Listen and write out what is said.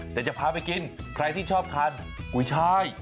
แต่จะพาไปกินใครที่ชอบทานก๋วยชาย